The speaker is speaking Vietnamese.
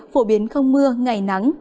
phổ biến không mưa ngày nắng